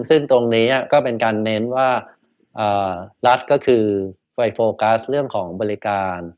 ซึ่งตรงนี้ก็เป็นการเน้นว่ารัฐก็คือไปโฟกัสเรื่องของบริการ